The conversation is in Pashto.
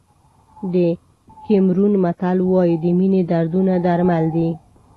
د کیمرون متل وایي د مینې دردونه درمل دي.